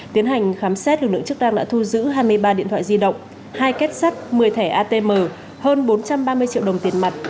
tiến hành khám xét lực lượng chức năng đã thu giữ hai mươi ba điện thoại di động hai kết sắt một mươi thẻ atm hơn bốn trăm ba mươi triệu đồng tiền mặt